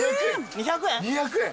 ２００円。